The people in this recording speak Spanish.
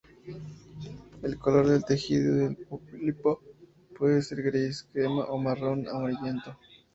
El color del tejido del pólipo puede ser gris, crema o marrón amarillento.